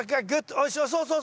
おしそうそう。